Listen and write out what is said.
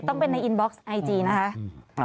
ต้องเป็นในอินบ็อกซ์ไอจีนะคะ